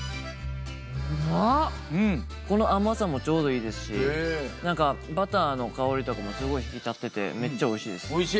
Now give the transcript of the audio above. この甘さもちょうどいいですし何かバターの香りとかもすごい引き立っててめっちゃおいしいです。